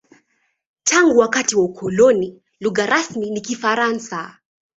Tangu wakati wa ukoloni, lugha rasmi ni Kifaransa.